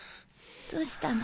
どうしたの？